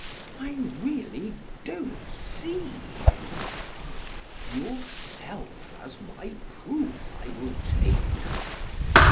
I really don't see. SOCR. Yourself as my proof I will take.